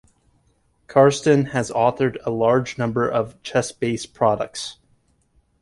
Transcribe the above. Karsten has authored a large number of ChessBase products.